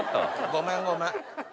ごめんごめん。